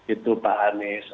itu pak anies